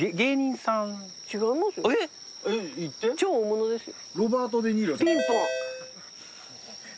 超大物ですよ。